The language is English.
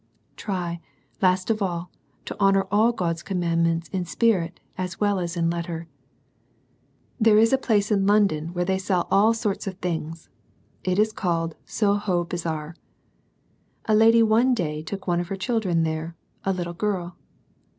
Try, last of all, to honour all God's command ments in spirit as well as in letter. There is a place in London where they sell all sorts of things. It is called "Soho Bazaar." A lady one day took one of her children there, a little girl.